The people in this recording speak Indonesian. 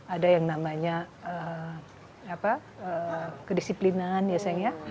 ada yang namanya kedisiplinan ya sayang ya